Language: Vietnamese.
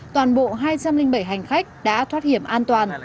toàn bộ hai trăm linh bảy hành khách đã thoát hiểm an toàn